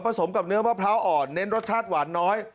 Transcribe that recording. สมกับเนื้อมะพร้าวอ่อนเน้นรสชาติหวานน้อย